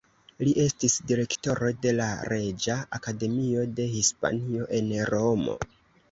Li estis Direktoro de la Reĝa Akademio de Hispanio en Romo.